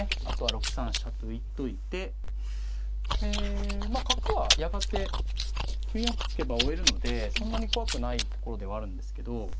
あとは６三飛車と浮いといて角はやがて９四歩突けば追えるのでそんなに怖くないところではあるんですけど。